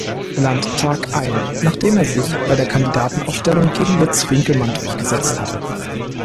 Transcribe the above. Landtag ein, nachdem er sich bei der Kandidatenaufstellung gegen Lutz Winkelmann durchgesetzt hatte.